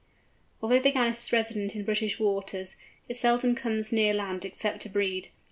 Although the Gannet is a resident in British waters, it seldom comes near land except to breed.